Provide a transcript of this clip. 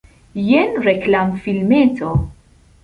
Jen reklamfilmeto.